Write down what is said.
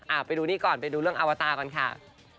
ไปดูนี่ก่อนไปดูเรื่องอวตาก่อนค่ะ